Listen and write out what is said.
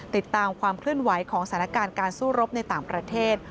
ติดตามความเคลื่อนไหวของสถานการณ์การสู้รบในต่างประเทศ